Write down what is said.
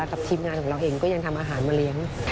ทีมงานของเราเองก็ยังทำอาหารมาเลี้ยง